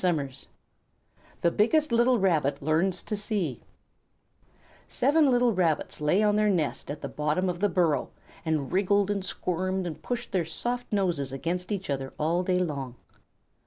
THE BIGGEST LITTLE RABBIT LEARNS TO SEE Seven little Rabbits lay on their nest at the bottom of the burrow, and wriggled and squirmed and pushed their soft noses against each other all day long.